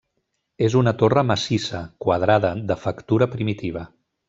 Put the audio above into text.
És una torre massissa, quadrada, de factura primitiva.